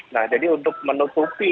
nah jadi untuk menutupi